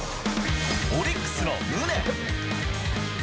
オリックスの宗。